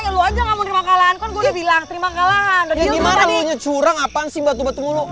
ya gimana nih nyecurang apaan sih batu batu mulu